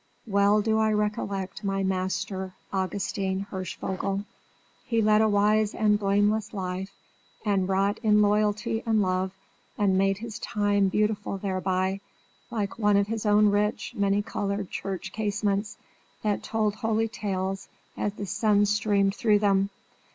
Well do I recollect my master, Augustin Hirschvogel. He led a wise and blameless life, and wrought in loyalty and love, and made his time beautiful thereby, like one of his own rich, many coloured church casements, that told holy tales as the sun streamed through them.